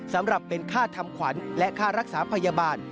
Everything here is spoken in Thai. สำหรับเป็นค่าทำขวัญและค่ารักษาพยาบาล